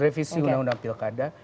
revisi undang undang pilkada